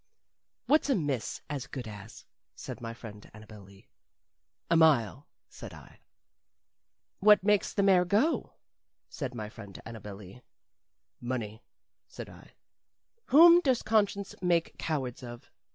"What's a miss as good as?" said my friend Annabel Lee. "A mile," said I. "What makes the mare go?" said my friend Annabel Lee. "Money," said I. "Whom does conscience make cowards of?"